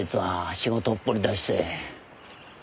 仕事ほっぽり出して。